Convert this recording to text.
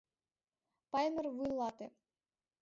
Паймыр, вуйлате!